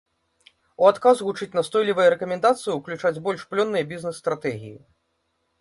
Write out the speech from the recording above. У адказ гучыць настойлівая рэкамендацыя ўключаць больш плённыя бізнес-стратэгіі.